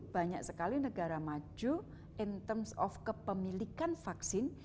banyak sekali negara maju in terms of kepemilikan vaksin